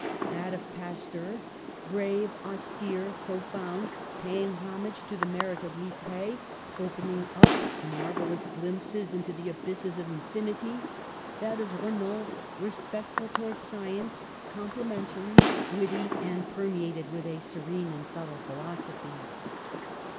That of Pasteur, grave, austere, pro found, paying homage to the merit of Littre, opening up marvellous glimpses into the THE SOVEREIGNTY OF GENIUS 141 abysses of infinity; that of Renan, respectful towards science, complimentary, witty and per meated with a serene and subtle philosophy.